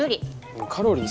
カロリー